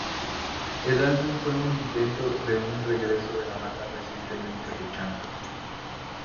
El álbum fue un intento de un regreso de la banda recientemente luchando.